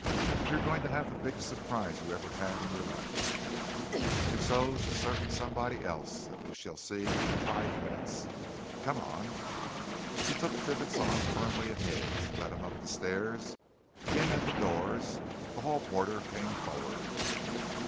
you're going to have the biggest surprise you ever had in your life and so's a certain somebody else that we shall see in five minutes! Come on!" He took Triffitt's arm firmly in his, led him up the stairs, in at the doors. The hall porter came forward.